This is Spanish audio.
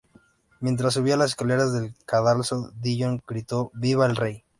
Mientras subía las escaleras del cadalso, Dillon gritó: "¡viva el rey!